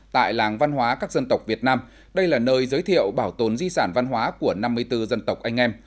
tại làng văn hóa các dân tộc việt nam đây là nơi giới thiệu bảo tồn di sản văn hóa của năm mươi bốn dân tộc anh em